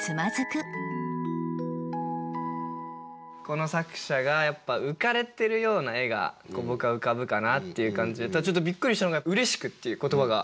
この作者がやっぱ浮かれてるような絵が僕は浮かぶかなっていう感じでちょっとびっくりしたのが「嬉しく」っていう言葉が。